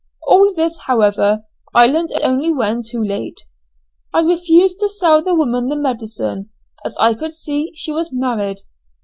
All this, however, I learned only when too late. I refused to sell the woman the medicine, as I could see she was married.